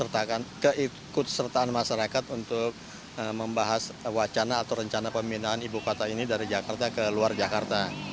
menurut saya memang perlu keikutsertaan masyarakat untuk membahas wacana atau rencana pembinaan ibu kota ini dari jakarta ke luar jakarta